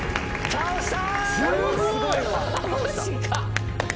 倒した。